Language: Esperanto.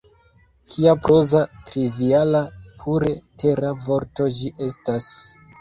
Kia proza, triviala, pure tera vorto ĝi estas!